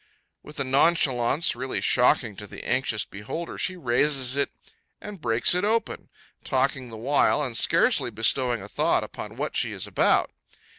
With a nonchalance really shocking to the anxious beholder, she raises it, and breaks it open, talking the while, and scarcely bestowing a thought upon what she is about.